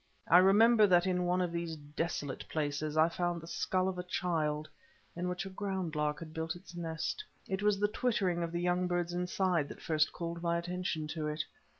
I remember that in one of these desolate places I found the skull of a child in which a ground lark had built its nest. It was the twittering of the young birds inside that first called my attention to it.